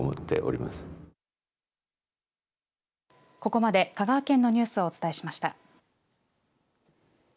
ここまで香川県のニュースをお伝えしました。